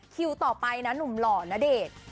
คิวต่อไปนะหนุ่มหล่อณเดชน์